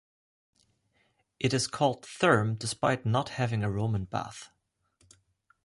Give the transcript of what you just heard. It is called Therme despite not having a Roman Bath.